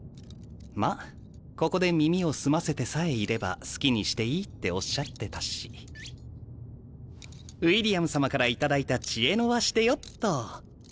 まあここで耳を澄ませてさえいれば好きにしていいっておっしゃってたしウィリアム様から頂いた知恵の輪してよっと。